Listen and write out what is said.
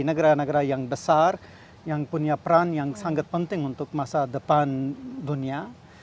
negara negara yang besar yang punya peran yang sangat penting untuk masa depan dunia